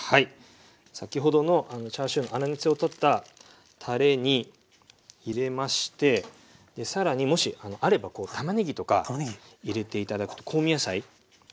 先ほどのチャーシューの粗熱を取ったたれに入れまして更にもしあればたまねぎとか入れて頂くと香味野菜。